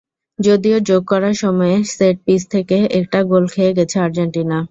যদিও যোগ করা সময়ে সেট পিস থেকে একটা গোল খেয়ে গেছে আর্জেন্টিনা।